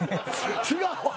違うわ！